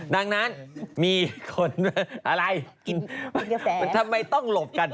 ดังนั้นมีคน